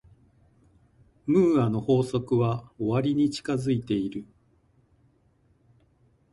ムーアの法則は終わりに近づいている。